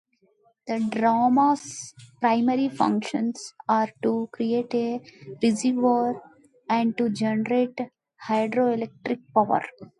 The dam's primary functions are to create a reservoir, and to generate hydroelectric power.